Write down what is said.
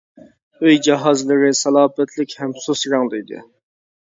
ئۆي جاھازلىرى سالاپەتلىك ھەم سۇس رەڭدە ئىدى.